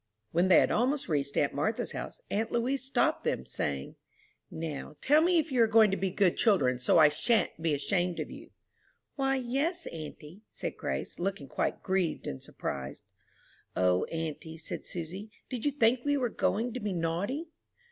When they had almost reached aunt Martha's house, aunt Louise stopped them, saying, "Now, tell me if you are going to be good children, so I shan't be ashamed of you?" "Why, yes, auntie," said Grace, looking quite grieved and surprised. "O, auntie," said Susy, "did you think we were going to be naughty?"